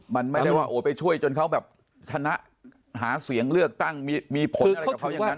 มันไม่ได้ว่าโอ้ไปช่วยจนเขาแบบชนะหาเสียงเลือกตั้งมีผลอะไรกับเขาอย่างนั้น